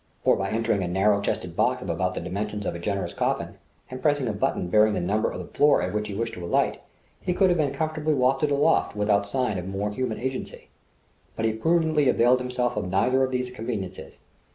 Or by entering a narrow chested box of about the dimensions of a generous coffin, and pressing a button bearing the number of the floor at which he wished to alight, he could have been comfortably wafted aloft without sign of more human agency. But he prudently availed himself of neither of these conveniences.